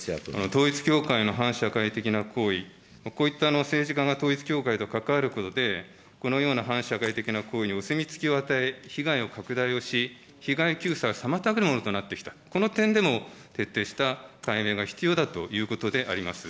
統一教会の反社会的な行為、こういった政治家が統一教会と関わることで、このような反社会的な行為にお墨付きを与え、被害を拡大をし、被害救済を妨げるものとなってきた、この点での徹底した解明が必要だということであります。